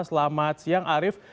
selamat siang arief